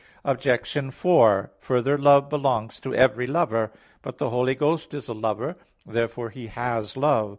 Obj. 4: Further, Love belongs to every lover. But the Holy Ghost is a lover: therefore He has love.